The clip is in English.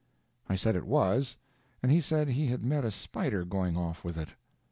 I said it was, and he said he had met a spider going off with it.